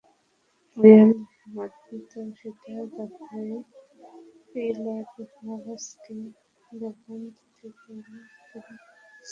Real মাদ্রিদও সেটা দেখেই কেইলর নাভাসকে লেভান্তে থেকে এনে তোলে সান্তিয়াগো বার্নাব্যুতে।